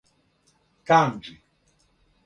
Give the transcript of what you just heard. канџи